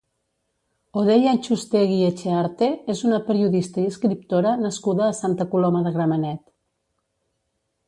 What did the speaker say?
Odei Antxustegi-Etxearte és una periodista i escriptora nascuda a Santa Coloma de Gramenet.